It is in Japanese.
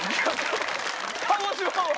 鹿児島は？